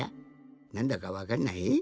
なんだかわかんない？